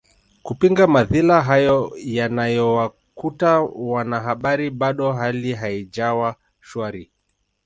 kupinga madhila hayo yanayowakuta wanahabari bado hali haijawa shwari